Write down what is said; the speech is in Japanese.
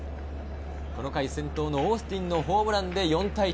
この回、先頭のオースティンのホームランで４対１。